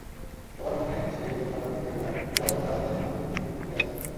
বাবার হুকুমে সেই দড়ি হকারকে ফিরাইয়া দিবার জন্য রাস্তায় আমাকে ছুটিতে হইয়াছিল।